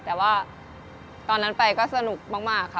แต่ว่าตอนนั้นไปก็สนุกมากค่ะ